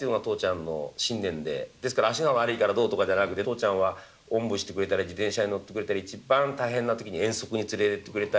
ですから足が悪いからどうとかではなくて父ちゃんはおんぶしてくれたり自転車に乗ってくれたり一番大変な時に遠足に連れてってくれたり。